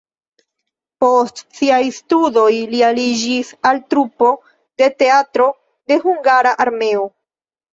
Post siaj studoj li aliĝis al trupo de Teatro de Hungara Armeo.